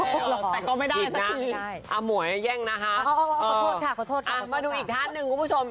แต่ก็ไม่ได้นะครับอีกนะอ๋อหมวยแย่งนะฮะมาดูอีกท่านหนึ่งคุณผู้ชม